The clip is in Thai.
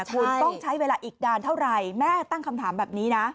คุณต้องใช้เวลาอีกนานเท่าไหร่แม่ตั้งคำถามแบบนี้นะ